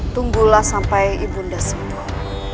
tunggulah sampai ibunda sembuh